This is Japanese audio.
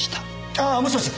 ああもしもし？